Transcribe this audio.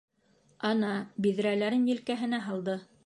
Ана биҙрәләрен елкәһенә һалды.